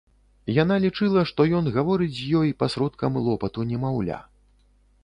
Яна лічыла, што ён гаворыць з ёй пасродкам лопату немаўля.